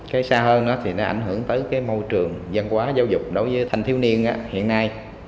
cái xa hơn thì nó ảnh hưởng tới cái môi trường văn hóa giáo dục đối với thanh thiếu niên hiện nay